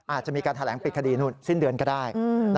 อาจจะมีการแถลงปิดคดีนู่นสิ้นเดือนก็ได้